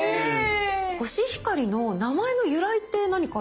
コシヒカリの名前の由来って何かありますか？